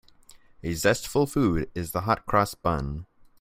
A zestful food is the hot-cross bun.